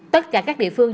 tất cả các địa phương